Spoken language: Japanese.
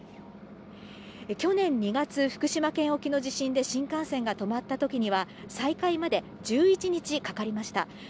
去年２月、福島県沖の地震で新幹線が止まったときには、再開まで１１日かかりました。